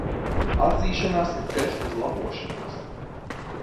Atzīšanās ir ceļš uz labošanos.